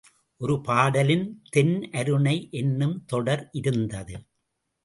ஒரு பாடலில் தென் அருணை என்னும் தொடர் இருந்தது.